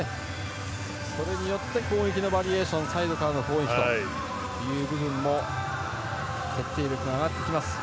それによって攻撃のバリエーションサイドからの攻撃という部分も決定力が上がってきます。